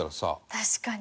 確かに。